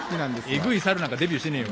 エグい猿なんかデビューしてねえよ。